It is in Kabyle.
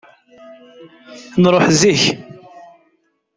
Nṛuḥ zik.